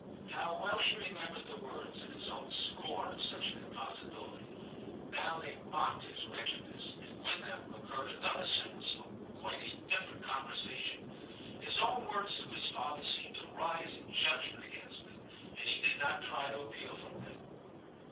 * How well he remembered the words, and his own scorn of such an impos sibility. Now they mocked his wretched ness, and with them recurred another sentence XI TIM 269 from quite a different conversation. His own words to his father seemed to rise in judgment against him, and he did not try to appeal from them.